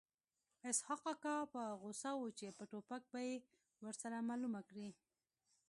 اسحق کاکا په غوسه و چې په ټوپک به یې ورسره معلومه کړي